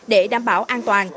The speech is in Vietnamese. để đảm bảo an toàn